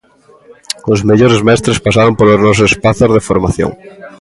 Os mellores mestres pasaron polos nosos espazos de formación.